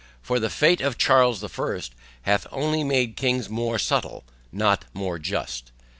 For the fate of Charles the first, hath only made kings more subtle not more just.